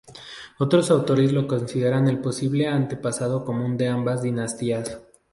Otros autores lo consideran el posible antepasado común de ambas dinastías.